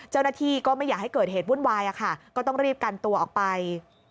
เจ้าหน้าที่ก็ไม่อยากให้เกิดเหตุวุ่นวายก็ต้องรีบกันตัวออกไป